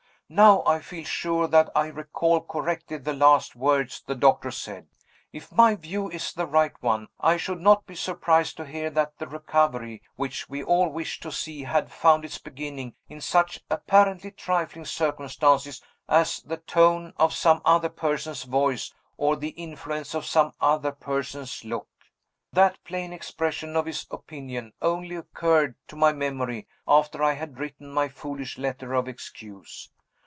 "Now I feel sure that I recall correctly the last words the doctor said: 'If my view is the right one, I should not be surprised to hear that the recovery which we all wish to see had found its beginning in such apparently trifling circumstances as the tone of some other person's voice or the influence of some other person's look.' That plain expression of his opinion only occurred to my memory after I had written my foolish letter of excuse.